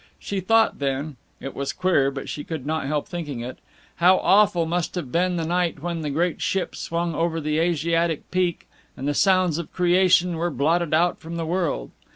She thought then it was queer, but she could not help thinking it how awful must have been the night when the great ship swung over the Asiatic peak, and the sounds of creation were blotted out from the world.